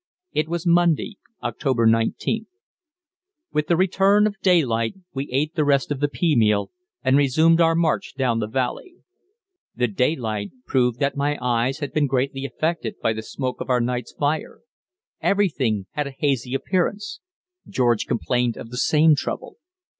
It was Monday, October 19th. With the return of daylight we ate the rest of the pea meal, and resumed our march down the valley. The daylight proved that my eyes had been greatly affected by the smoke of our night's fire. Everything had a hazy appearance. George complained of the same trouble.